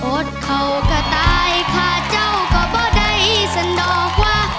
อดเขาก็ตายค่ะเจ้าก็บ่ได้สะดอกว่า